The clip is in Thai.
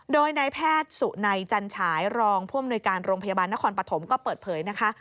โดยนายแพทย์สุนัยจันฉายรองผู้อำนวยการโรงพยาบาลนครปฐมก็เปิดเผยนะคะ